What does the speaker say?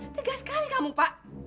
tegas sekali kamu pak